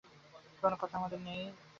কোনো কথা আমার নেই যা আপনাকে বলতে আমার বাধবে।